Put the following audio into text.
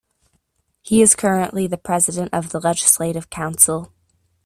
He is currently the President of the Legislative Council.